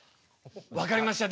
わかりました。